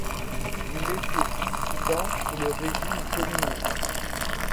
Il était dissident sous le régime communiste.